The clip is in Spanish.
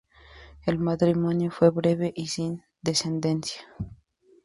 El matrimonio fue breve y sin descendencia.